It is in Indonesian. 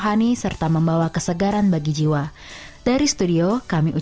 allah baik sungguh baik di setiap waktu